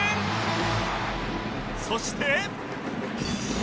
そして